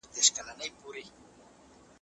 زه په کمپيوټر کي راپور چمتو کوم.